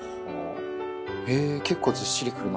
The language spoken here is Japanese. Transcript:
へえ結構ずっしりくるな。